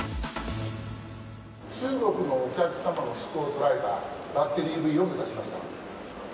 中国のお客様のしこうを捉えたバッテリーＥＶを目指しました。